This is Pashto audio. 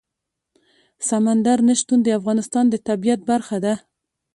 سمندر نه شتون د افغانستان د طبیعت برخه ده.